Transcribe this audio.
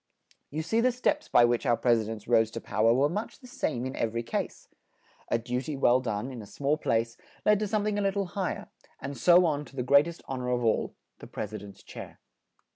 You see the steps by which our Pres i dents rose to pow er were much the same in ev er y case. A du ty well done in a small place led to some thing a lit tle high er, and so on to the great est hon or of all the Pres i dent's chair.